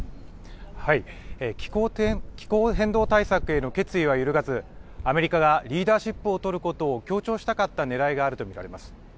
気候変動対策への決意は揺るがず、アメリカがリーダーシップを取ることを強調したかったねらいがあると見られます。